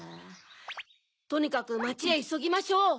とにかくまちへいそぎましょう。